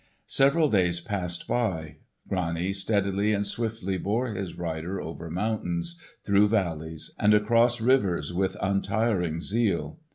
Several days passed by. Grani steadily and swiftly bore his rider over mountains, through valleys, and across rivers with untiring zeal.